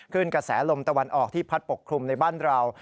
กระแสลมตะวันออกที่พัดปกคลุมในบ้านเรา